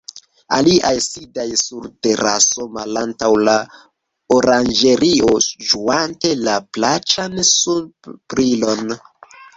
Aliaj sidas sur teraso malantaŭ la oranĝerio, ĝuante la plaĉan sunbrilon.